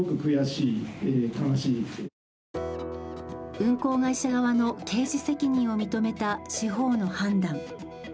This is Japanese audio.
運行会社側の刑事責任を認めた司法の判断。